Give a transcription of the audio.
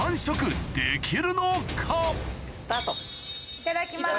・いただきます。